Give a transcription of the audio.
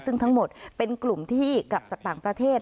ซึ่งทั้งหมดเป็นกลุ่มที่กลับจากต่างประเทศ